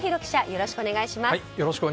よろしくお願いします。